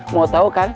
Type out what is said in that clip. mau tau kan